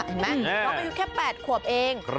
เห็นไหมเขาก็อยู่แค่๘ขวบเอง